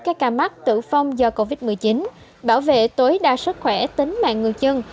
các ca mắc tử vong do covid một mươi chín bảo vệ tối đa sức khỏe tính mạng người dân